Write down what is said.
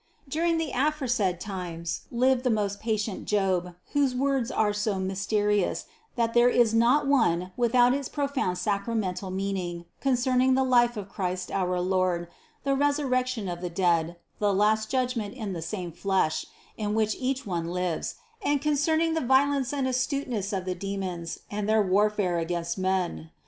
155. During the aforesaid times lived the most patient Job, whose words are so mysterious, that there is not one without its profound sacramental meaning concern ing the life of Christ our Lord, the resurrection of the dead, the last judgment in the same flesh, in which each one lives, and concerning the violence and astuteness of 136 CITY OF GOD the demons and their warfare against men.